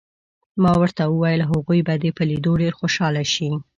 ما ورته وویل: هغوی به دې په لیدو ډېر خوشحاله شي.